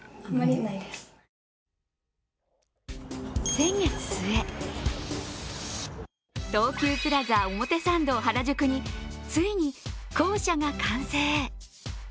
先月末、東急プラザ表参道原宿についに校舎が完成。